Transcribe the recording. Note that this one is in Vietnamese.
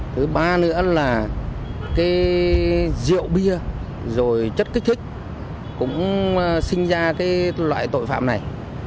thứ ba nữa là cái rượu bia rồi chất kích thích cũng sinh ra cái loại tội phạm này